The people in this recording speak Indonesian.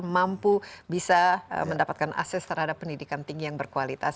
mampu bisa mendapatkan akses terhadap pendidikan tinggi yang berkualitas